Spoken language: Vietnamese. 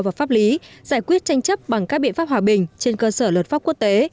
và pháp lý giải quyết tranh chấp bằng các biện pháp hòa bình trên cơ sở luật pháp quốc tế